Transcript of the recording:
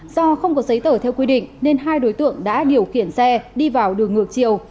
do không có giấy tờ theo quy định nên hai đối tượng đã điều khiển xe đi vào đường ngược chiều